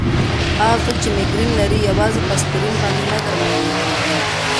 هغه څوک چې مېګرین لري، یوازې په اسپرین باندې نه درملنه کېږي.